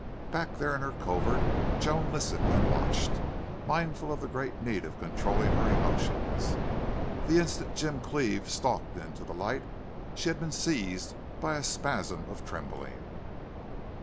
Back there in her covert Joan listened and watched, mindful of the great need of controlling her emotions. The instant Jim Cleve had stalked into the light she had been seized by a spasm of trembling.